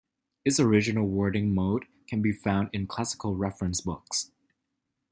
Its original wording mode can be found in classical reference books.